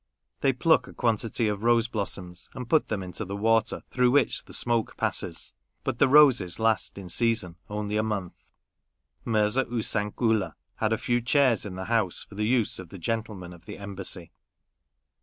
They pluck a quantity of rose blossoms and put them into the water through which the smoke passes ; but the roses last in season only a month. Mirza Oosan Koola had a few chairs in the house for the use of the gentlemen of the Embassy.